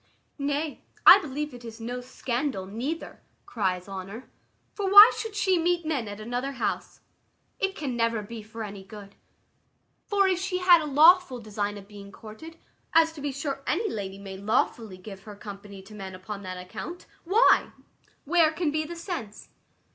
"Nay, I believe it is no scandal, neither," cries Honour, "for why should she meet men at another house? It can never be for any good: for if she had a lawful design of being courted, as to be sure any lady may lawfully give her company to men upon that account: why, where can be the sense?"